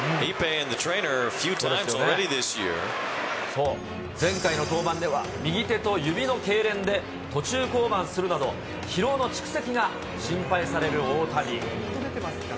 そう、前回の登板では、右手と指のけいれんで途中降板するなど、疲労の蓄積が心配される大谷。